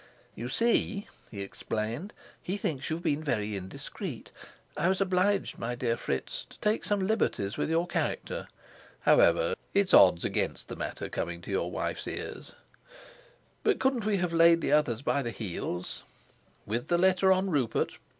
"You see," he explained, "he thinks you've been very indiscreet. I was obliged, my dear Fritz, to take some liberties with your character. However, it's odds against the matter coming to your wife's ears." "But couldn't we have laid the others by the heels?" "With the letter on Rupert?